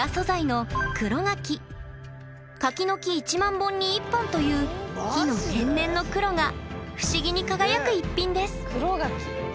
「柿の木１万本に１本」という木の天然の黒が不思議に輝く逸品です。